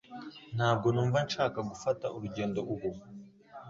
Ntabwo numva nshaka gufata urugendo ubu.